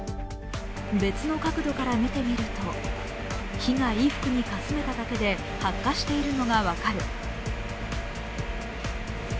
別の角度から見てみると、火が衣服にかすめただけで発火しているのが分かる。